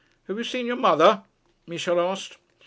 'Have you seen your mother?' Michel asked.